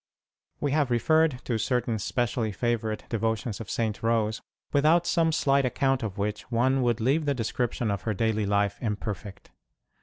} E have referred to certain specially favourite devotions of St. Rose, without some slight account of which one would leave the description of her daily life imperfect.